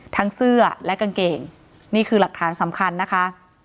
เสื้อและกางเกงนี่คือหลักฐานสำคัญนะคะ